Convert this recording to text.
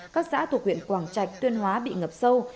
các xã thuộc huyện quảng trạch tuyên hóa bị ngập sâu